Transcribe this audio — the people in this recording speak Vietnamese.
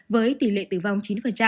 với tỷ lệ tử vong chín